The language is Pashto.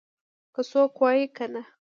که څوک ووایي او کنه